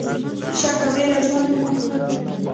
شک او ویره ژوند بې مانا کوي.